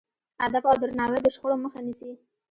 ادب او درناوی د شخړو مخه نیسي.